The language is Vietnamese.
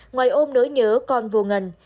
ngoài ôm nỗi nhớ con vô ngần